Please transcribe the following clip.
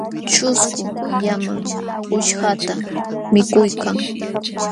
Ćhusku llaman quśhqata mikuykan.